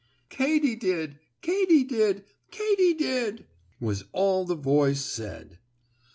"Katy did! Katy did! Katy did!" was all the voice said.